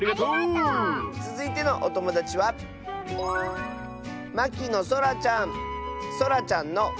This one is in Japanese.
つづいてのおともだちはそらちゃんの。